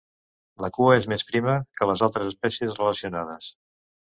La cua és més prima que les altres espècies relacionades.